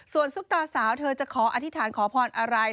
ส่วนซุปตาสาวเธอจะขออธิษฐานขอพรอะไร